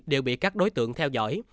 đều bị các đối tượng theo dõi